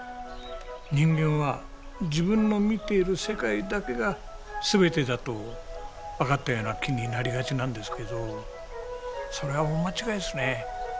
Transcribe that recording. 人間は自分の見ている世界だけが全てだと分かったような気になりがちなんですけどそれは大間違いですね。